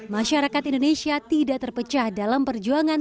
masyarakat indonesia tidak terpecah dalam perjuangan